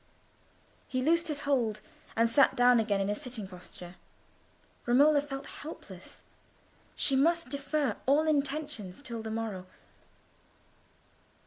He loosed his hold, and sank down again in a sitting posture. Romola felt helpless: she must defer all intentions till the morrow.